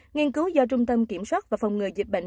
nghiên cứu do trung tâm kiểm soát và phòng ngừa dịch bệnh